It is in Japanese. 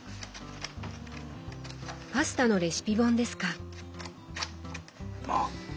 パスタのレシピ本ですか。